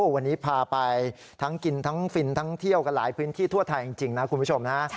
วันนี้พาไปทั้งกินทั้งฟินทั้งเที่ยวกันหลายพื้นที่ทั่วไทยจริงนะคุณผู้ชมนะ